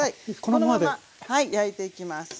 このまま焼いていきます。